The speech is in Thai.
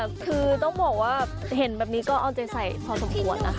คือต้องบอกว่าเห็นแบบนี้ก็เอาใจใส่พอสมควรนะคะ